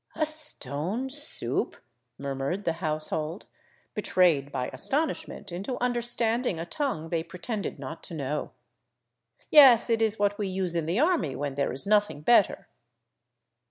'' A stone soup !" murmured the household, betrayed by astonish ment into understanding a tongue they pretended not to know. " Yes, it is what we use in the army when there is nothing better."